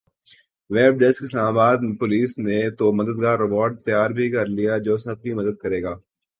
web desk Islamabad police نے تو مددگار روبوٹ تیار بھی کرلیا جو سب کی مدد کرے گا